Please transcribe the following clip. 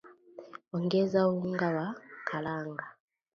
Ongeza unga wa karanga